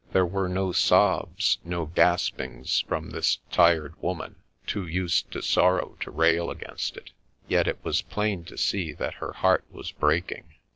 There were no sobs, no gaspings from this tired woman, too used to sorrow to rail against it, yet it was plain to see that her heart was breaking.